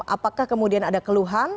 apakah kemudian ada keluhan